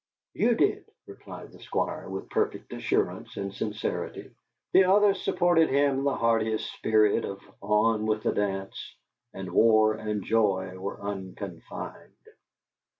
"You did," replied the Squire, with perfect assurance and sincerity. The others supported him in the heartiest spirit of on with the dance, and war and joy were unconfined.